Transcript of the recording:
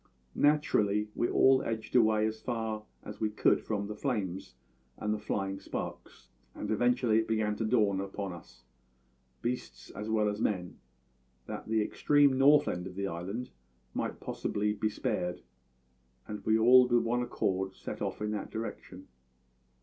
"Naturally, we all edged away as far as we could from the flames and the flying sparks, and eventually it began to dawn upon us all beasts as well as men that the extreme north end of the island might possibly be spared, and we all with one accord set off in that direction.